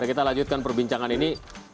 kita lanjutkan perbincangan ini